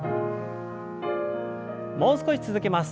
もう少し続けます。